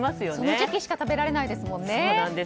その時期しか食べられないですもね。